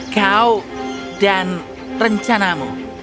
kau dan rencanamu